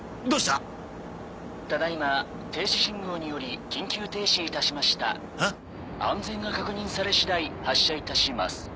「ただ今停止信号により緊急停止いたしました」「安全が確認され次第発車いたします」